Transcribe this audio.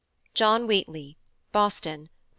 JOHN WHEATLEY. Boston, Nov.